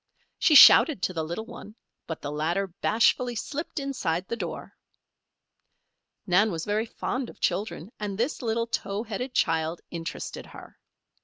She shouted to the little one, but the latter bashfully slipped inside the door. Nan was very fond of children and this little towheaded child interested her.